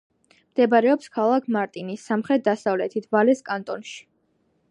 მდებარეობს ქალაქ მარტინის სამხრეთ-დასავლეთით, ვალეს კანტონში.